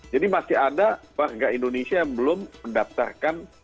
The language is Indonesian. jadi masih ada warga indonesia yang belum mendaftarkan keberanian